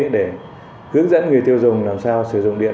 để hướng dẫn người tiêu dùng làm sao sử dụng điện